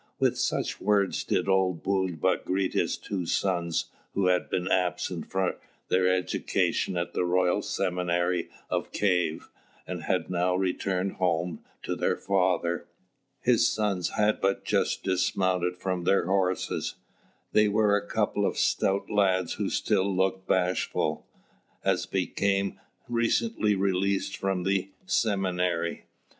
With such words did old Bulba greet his two sons, who had been absent for their education at the Royal Seminary of Kief, and had now returned home to their father. His sons had but just dismounted from their horses. They were a couple of stout lads who still looked bashful, as became youths recently released from the seminary.